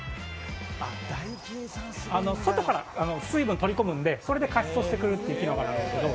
外から水分を取り込むのでそれで加湿してくれるという機能があるんですけど。